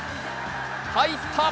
入った！